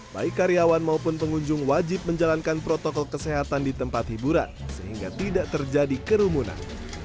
baik karyawan maupun pengunjung wajib menjalankan protokol kesehatan di tempat hiburan sehingga tidak terjadi kerumunan